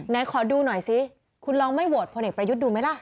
ไหนขอดูหน่อยซิคุณลองไม่โหวตพลเอกประยุทธ์ดูไหมล่ะ